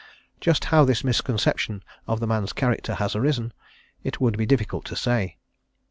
Just how this misconception of the man's character has arisen it would be difficult to say.